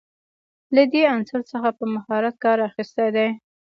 له دې عنصر څخه په مهارت کار اخیستی دی.